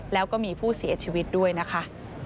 แล้วก็มีผู้เสียชีวิตด้วยนะคะ